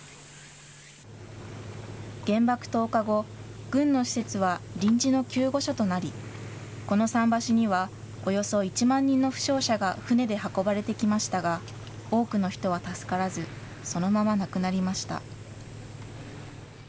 原爆投下後、軍の施設は臨時の救護所となり、この桟橋には、およそ１万人の負傷者が船で運ばれてきましたが、多くの人は助からず、そのまま亡くなりました。